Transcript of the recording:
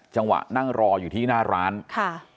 จังหวะนั่งรออยู่ที่หน้าร้านค่ะ